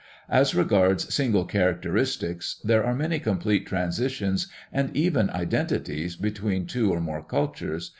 As regards single characteristics there are many complete transitions and even identities between two or more cultures.